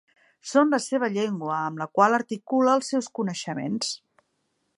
Són la seva llengua, amb la qual articula els seus coneixements.